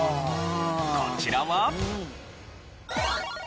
こちらは。